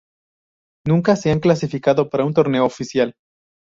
Nunca se han clasificado para un torneo oficial.